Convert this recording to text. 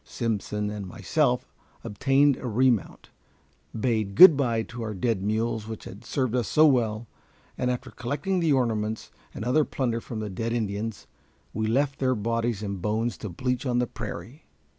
Simpson and myself obtained a remount, bade good by to our dead mules which had served us so well, and after collecting the ornaments and other plunder from the dead Indians, we left their bodies and bones to bleach on the prairie.